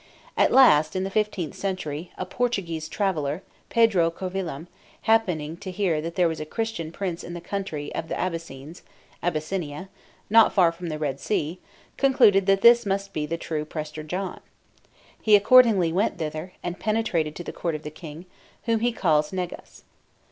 At last in the fifteenth century, a Portuguese traveller, Pedro Covilham, happening to hear that there was a Christian prince in the country of the Abessines (Abyssinia), not far from the Red Sea, concluded that this must be the true Prester John. He accordingly went thither, and penetrated to the court of the king, whom he calls Negus.